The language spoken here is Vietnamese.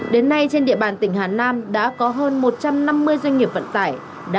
đến nay trên địa bàn tỉnh hà nam đã có hơn một trăm năm mươi doanh nghiệp vận tải